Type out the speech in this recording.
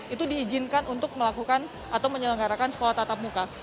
itu diizinkan untuk melakukan atau menyelenggarakan sekolah tatap muka